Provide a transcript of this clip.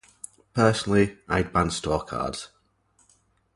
Personally, I'd ban store cards.